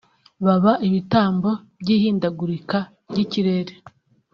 baba ibitambo by’ihindagurika ry’ikirere